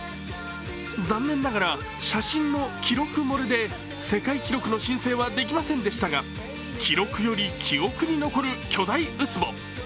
残念ながら写真の記録漏れで世界記録の申請はできませんでしたが記録より記憶に残る巨大ウツボ。